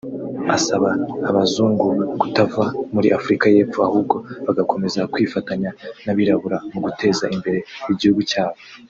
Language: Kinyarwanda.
Asaba abazungu kutava muri Afurika yepfo ahubwo bagakomeza kwifatanya n’abirabura mu guteza imbere igihugu cyabo